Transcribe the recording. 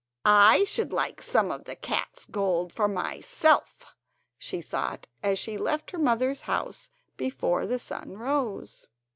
"I should like some of the cats' gold for myself," she thought, as she left her mother's house before the sun rose.